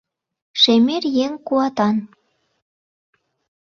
Шемер еҥ куатан